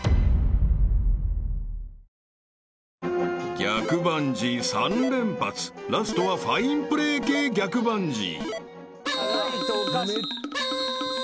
［逆バンジー３連発ラストはファインプレー系逆バンジー］